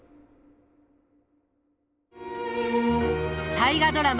大河ドラマ